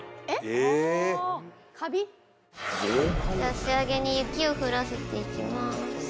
仕上げに雪を降らせていきます。